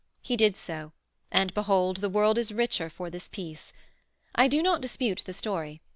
He did so, and behold the world is richer for this piece. I do not dispute the story.